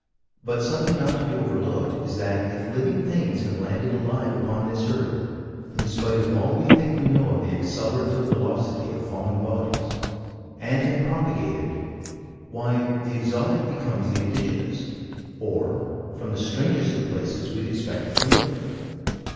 But something not to be overlooked is that if living things have landed alive upon this earth in spite of all we think we know of the accelerative velocity of falling bodies and have propagated why the exotic becomes the indigenous, or from the strangest of places we'd expect the familiar.